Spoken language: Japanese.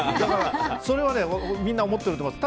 それはみんな思っていると思います。